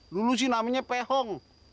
dulu sih namanya pehong